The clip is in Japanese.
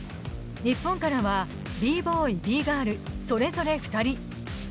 日本からはＢ−Ｂｏｙ、Ｂ−Ｇｉｒｌ、それぞれ２人。